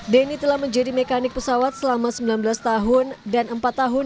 deni telah menjadi mekanik pesawat selama sembilan belas tahun